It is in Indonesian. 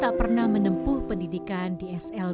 meski tak pernah menempuh pendidikan di smpt